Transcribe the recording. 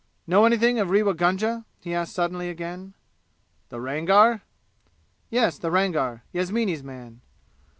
"Know anything of Rewa Gunga?" he asked suddenly again. "The Rangar?" "Yes, the Rangar. Yasmini's man."